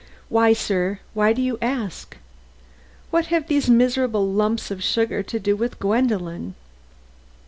Why, sir, why do you ask? What have these miserable lumps of sugar to do with Gwendolen?"